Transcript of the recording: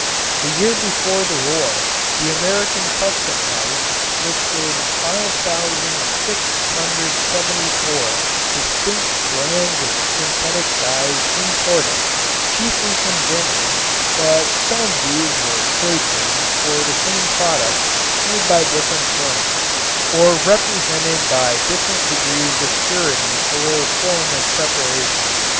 The year before the war the American custom house listed 5674 distinct brands of synthetic dyes imported, chiefly from Germany, but some of these were trade names for the same product made by different firms or represented by different degrees of purity or form of preparation.